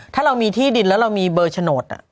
ถ้าเรามีที่ดินแล้วเรามีเบอร์โฉนด